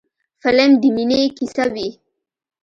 فلم د مینې کیسه وي